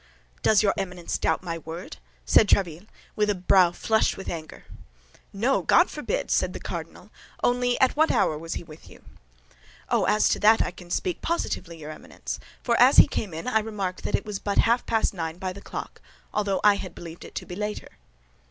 "Does your Eminence doubt my word?" said Tréville, with a brow flushed with anger. "No, God forbid," said the cardinal; "only, at what hour was he with you?" "Oh, as to that I can speak positively, your Eminence; for as he came in I remarked that it was but half past nine by the clock, although I had believed it to be later."